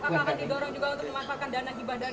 misalkan kerjasama dengan australia